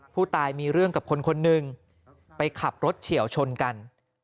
ผู้ตายมีเรื่องกับคนคนหนึ่งไปขับรถเฉียวชนกัน